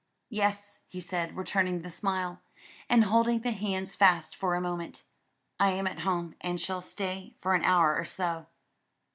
"Yes," he said, returning the smile, and holding the hands fast for a moment, "I am at home and shall stay for an hour or so."